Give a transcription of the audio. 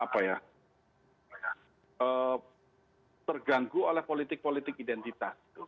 apa ya terganggu oleh politik politik identitas